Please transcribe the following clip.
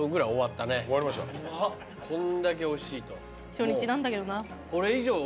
初日なんだけどな。